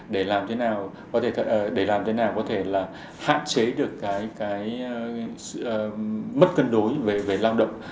để làm thế nào có thể hạn chế được cái mất cân đối về lao động